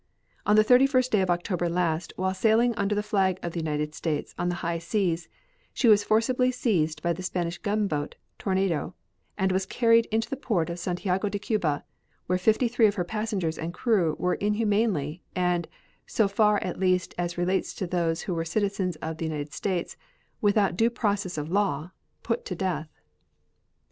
On the 31st day of October last, while sailing under the flag of the United States on the high seas, she was forcibly seized by the Spanish gunboat Tornado, and was carried into the port of Santiago de Cuba, where fifty three of her passengers and crew were inhumanly, and, so far at least as relates to those who were citizens of the United States, without due process of law, put to death.